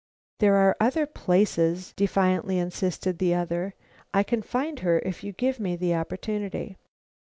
"There are other places," defiantly insisted the other. "I can find her if you give me the opportunity."